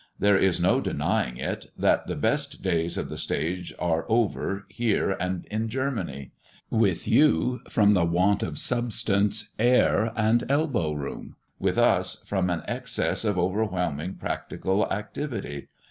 There is no denying it, that the best days of the stage are over, here and in Germany: with you from the want of substance, air, and elbow room; with us, from an excess of overwhelming practical activity.